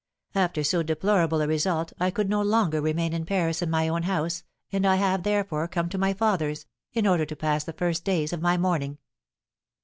After so deplorable a result, I could no longer remain in Paris in my own house, and I have, therefore, come to my father's, in order to pass the first days of my mourning.'